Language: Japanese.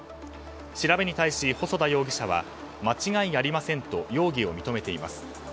調べに対し細田容疑者は間違いありませんと容疑を認めています。